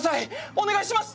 お願いします！